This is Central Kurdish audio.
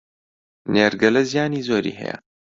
نێرگەلە زیانی زۆری هەیە